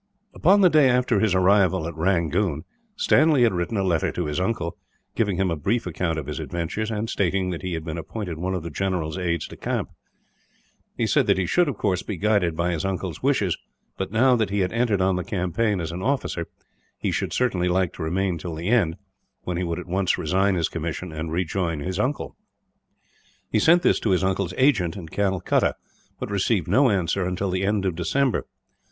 Upon the day after his arrival at Rangoon, Stanley had written a letter to his uncle; giving him a brief account of his adventures, and stating that he had been appointed one of the general's aides de camp. He said that he should, of course, be guided by his uncle's wishes; but that now that he had entered on the campaign as an officer, he should certainly like to remain till the end, when he would at once resign his commission and rejoin him. He sent this to his uncle's agent at Calcutta, but received no answer until the end of December.